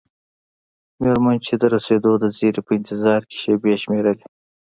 میرمن چې د رسیدو د زیري په انتظار کې شیبې شمیرلې.